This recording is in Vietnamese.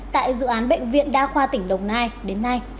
tại dự án bệnh viện đa khoa tỉnh đồng nai đến nay